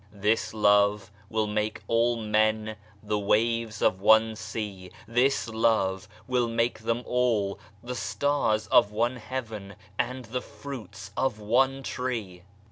This love will make all men the waves of one sea, this love will make them all the stars of one heaven and the fruits of one tree.